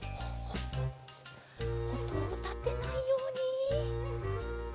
おとをたてないように。